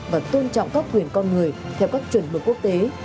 và tôn trọng các quyền con người theo các chuẩn mực quốc tế